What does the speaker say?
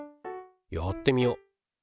やってみよ。